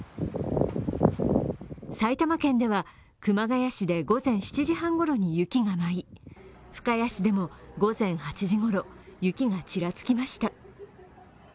埼玉県では熊谷市で午前７時半ごろに雪が舞い、深谷市でも午前８時ごろ雪がちらつきました。